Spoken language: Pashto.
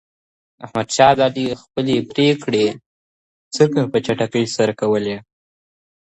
احمد شاه ابدالي خپلي پرېکړې څنګه په چټکۍ سره کولې؟